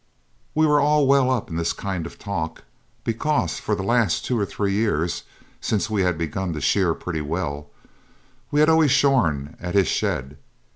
We were all well up in this kind of talk, because for the last two or three years, since we had begun to shear pretty well, we had always shorn at his shed.